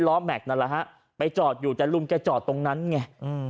แม็กซนั่นแหละฮะไปจอดอยู่แต่ลุงแกจอดตรงนั้นไงอืม